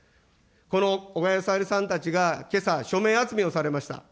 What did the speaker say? この小川さゆりさんたちがけさ、署名集めをされました。